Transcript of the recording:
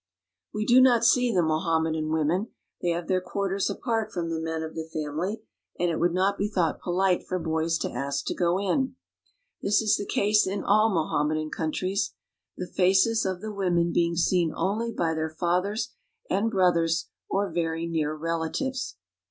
We do not see the Mohammedan women. They have their quarters apart from the men of the family, and it would not be thought polite for boys to ask to go in. This is the case in all Mohammedan countries, the faces IN ALGIERS 45 of the women being seen only by their fathers and brothers or very near relatives.